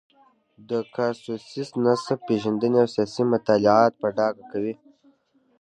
د کاسیوس نسب پېژندنې او سیاسي مطالعات په ډاګه کوي.